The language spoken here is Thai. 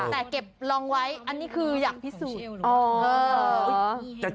แต่เก็บลองไว้อันนี้คืออยากพิสูจน์